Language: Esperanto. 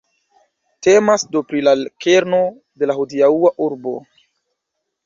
Temas do pri la kerno de la hodiaŭa urbo.